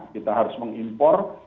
kita harus mengimpor